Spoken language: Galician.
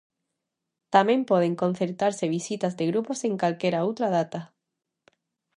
Tamén poden concertarse visitas de grupos en calquera outra data.